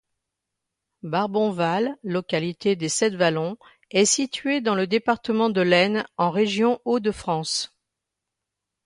Barbonval, localité des Septvallons, est situé dans le département de l'Aisne en région Hauts-de-France.